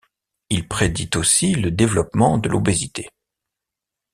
Il prédit aussi le développement de l'obésité.